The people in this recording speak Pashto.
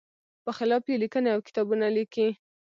په خلاف یې لیکنې او کتابونه لیکي.